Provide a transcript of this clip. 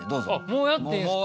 もうやっていいんすか。